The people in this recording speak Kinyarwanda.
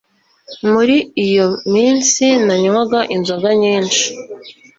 Muri iyo minsi nanywaga inzoga nyinshi